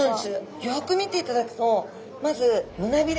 よく見ていただくとまず胸びれ。